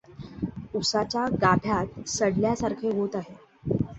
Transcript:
उसाच्या गाभ्यात सडल्यासारखे होत आहे.